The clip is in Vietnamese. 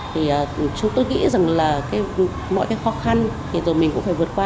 thì chúng tôi nghĩ rằng là mọi cái khó khăn thì rồi mình cũng phải vượt qua